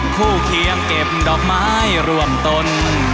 เคียงเก็บดอกไม้รวมตน